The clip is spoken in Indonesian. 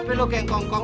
tidak ada yang mungkin